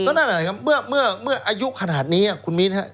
ก็น่าจะเห็นครับเมื่ออายุขนาดนี้คุณมีท